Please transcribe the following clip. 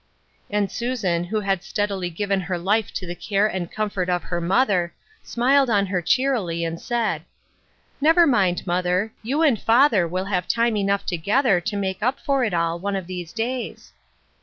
And Susan, who had steadily given her life to the care and comfort of her mother, smiled on her cheerily, and said, —" Never mind, mother, you and father will have time enough together to make up for it all, one of these days."